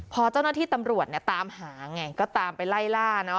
พอเจ้าหน้าที่ตำรวจก็ตามไปไล่ล่าเนอะ